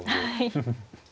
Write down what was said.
フフフフ。